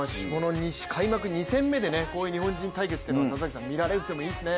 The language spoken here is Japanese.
開幕２戦目でこういう日本人対決を見られるっていうのはいいですね。